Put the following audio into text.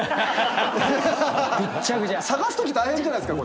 探すとき大変じゃないっすか？